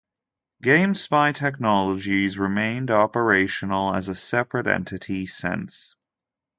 GameSpy Technologies remained operational as a separate entity since.